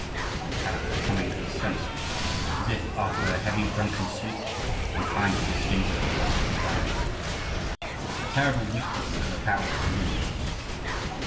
said Taras, coming to his senses, as if after a heavy drunken sleep, and trying to distinguish the objects about him. A terrible weakness overpowered his limbs.